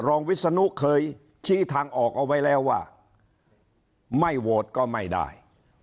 วิศนุเคยชี้ทางออกเอาไว้แล้วว่าไม่โหวตก็ไม่ได้